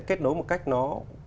kết nối một cách nó